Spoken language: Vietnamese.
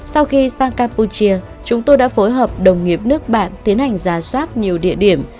sau khi sang campuchia chúng tôi đã phối hợp đồng nghiệp nước bạn tiến hành giả soát nhiều địa điểm